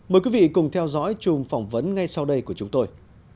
mời quý vị cùng theo dõi chùm phỏng vấn ngay sau đây của chúng tôi